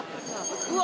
うわ！